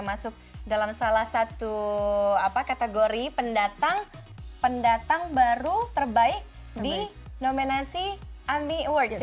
masuk dalam salah satu kategori pendatang baru terbaik di nominasi ami awards